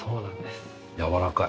やわらかい。